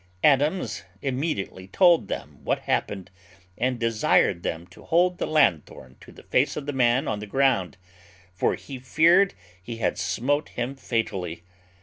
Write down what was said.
Adams immediately told them what happened, and desired them to hold the lanthorn to the face of the man on the ground, for he feared he had smote him fatally.